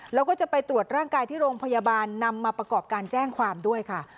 แล้วก็จะไปตรวจร่างกายที่โรงพยาบาลนำมาประกอบการแจ้งความด้วยค่ะ